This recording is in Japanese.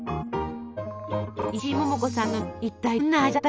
石井桃子さんのみつ豆